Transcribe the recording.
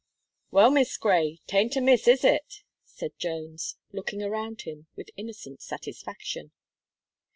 "Well, Miss Gray, 'tain't amiss, is it?" said Jones, looking around him with innocent satisfaction.